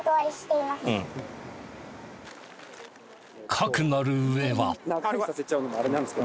かくなる上は。